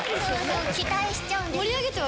期待しちゃうんですよ。